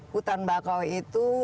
hutan bakau itu